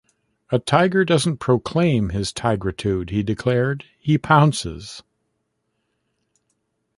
"A tiger doesn't proclaim his tigritude," he declared, "he pounces.